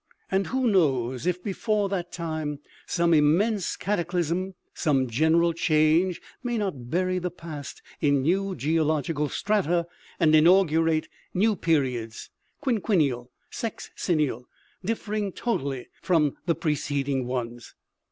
And, who knows if before that time some immense cataclysm, some general change may not bury the past in new geological strata and inaugurate new per iods, quinquennial, sexsennial, differing totally from the preceding ones